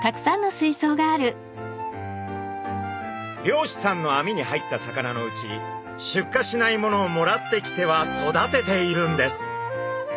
漁師さんの網に入った魚のうち出荷しないものをもらってきては育てているんです。